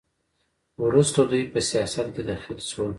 وروسته دوی په سیاست کې دخیل شول.